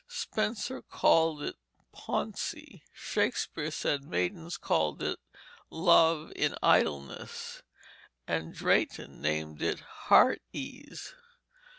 Spenser called it "pawnce." Shakespeare said maidens called it "love in idleness," and Drayton named it "heartsease."